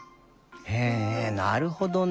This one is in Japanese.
へえなるほどね。